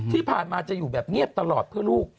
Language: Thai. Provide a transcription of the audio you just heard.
ที่ผ่านมาจะอยู่แบบเงียบตลอดเพื่อลูก